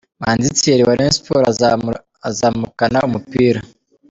Manzi Thierry wa Rayon Sports azamukana umupira.